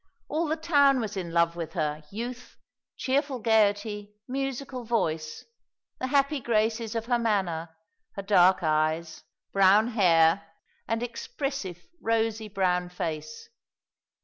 All the town was in love with her youth, cheerful gaiety, musical voice, the happy graces of her manner, her dark eyes, brown hair, and expressive, rosy brown face.